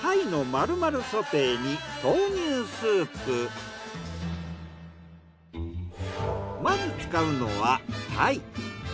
どうもまず使うのはタイ。